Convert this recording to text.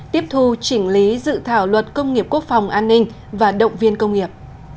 tiếp thu chỉnh lý dự thảo luật công nghiệp quốc phòng an ninh và động viên công nghiệp